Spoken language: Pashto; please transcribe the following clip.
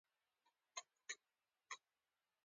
پنجاب ولسوالۍ سړه ده؟